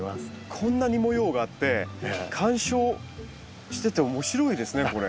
こんなに模様があって鑑賞してて面白いですねこれ。